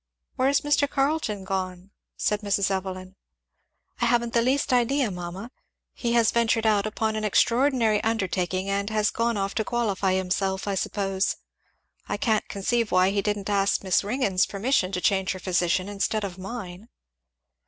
"Where is Mr. Carleton gone?" said Mrs. Evelyn. "I haven't the least idea, mamma he has ventured upon an extraordinary undertaking and has gone off to qualify himself, I suppose. I can't conceive why he didn't ask Miss Ringgan's permission to change her physician, instead of mine."